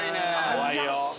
怖いよ。